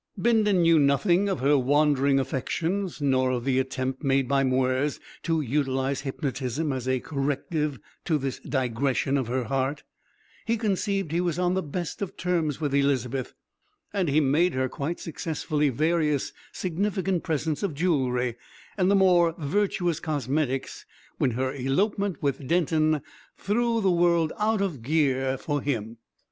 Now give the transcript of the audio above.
Bindon knew nothing of her wandering affections, nor of the attempt made by Mwres to utilise hypnotism as a corrective to this digression of her heart; he conceived he was on the best of terms with Elizabeth, and had made her quite successfully various significant presents of jewellery and the more virtuous cosmetics, when her elopement with Denton threw the world out of gear for him.